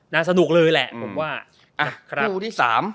น่าจะนุ่นเลยแหละผมว่า